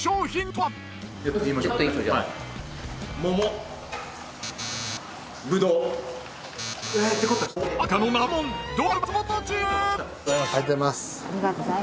はい。